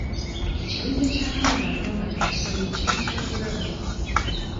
Ekibinja ky'abaana abato nga tebasomye kiba kya bulabe.